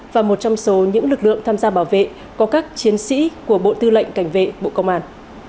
và một trong số những lực lượng tham gia bảo vệ có các chiến sĩ của bộ tư lệnh cảnh vệ bộ công an